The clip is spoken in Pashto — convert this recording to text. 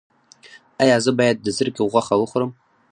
ایا زه باید د زرکې غوښه وخورم؟